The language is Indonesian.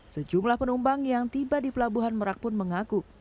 sejumlah penumpang yang tiba di pelabuhan merak pun mengaku